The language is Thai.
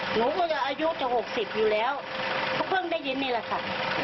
หนูก็อายุจะหกสิบอยู่แล้วเขาเพิ่งได้ยินนี่แหละค่ะ